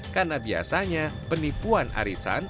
karena biasanya penipuan arisan